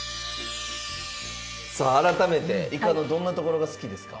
さあ改めてイカのどんなところが好きですか？